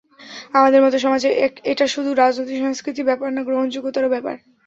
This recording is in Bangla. আমাদের মতো সমাজে এটা শুধু রাজনৈতিক সংস্কৃতির ব্যাপার না, গ্রহণযোগ্যতার ব্যাপারও।